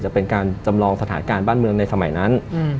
จะเป็นการจำลองสถานการณ์บ้านเมืองในสมัยนั้น